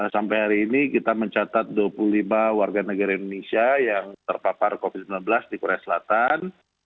sampai hari ini kita mencatat dua puluh lima warga negara indonesia yang terpapar covid sembilan belas di korea selatan